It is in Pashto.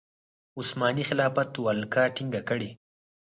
عثماني خلافت ولکه ټینګه کړي.